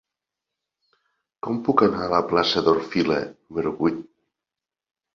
Com puc anar a la plaça d'Orfila número vuit?